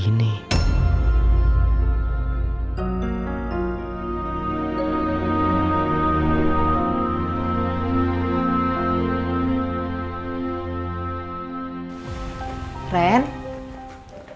kenapa catherine jadi gini